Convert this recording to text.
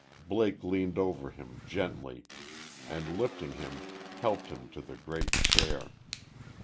Blake leaned over him, gently, and lifting him, helped him to the great chair.